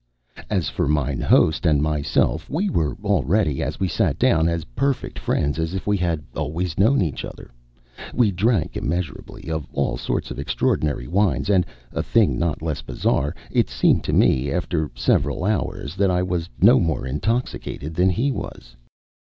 As for mine host and myself, we were already, as we sat down, as perfect friends as if we had always known each other. We drank immeasurably of all sorts of extraordinary wines, and a thing not less bizarre it seemed to me, after several hours, that I was no more intoxicated than he was.